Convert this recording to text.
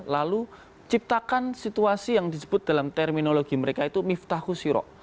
lalu ciptakan situasi yang disebut dalam terminologi mereka itu miftah hushiro